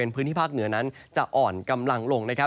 ก็จะมีการแผ่ลงมาแตะบ้างนะครับ